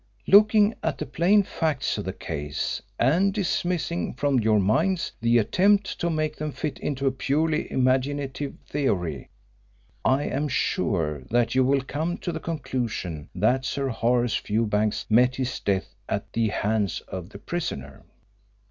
Looking at the plain facts of the case and dismissing from your minds the attempt to make them fit into a purely imaginative theory, I am sure that you will come to the conclusion that Sir Horace Fewbanks met his death at the hands of the prisoner."